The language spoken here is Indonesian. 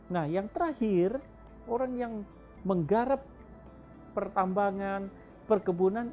nah yang terakhir orang yang menggarap pertambangan perkebunan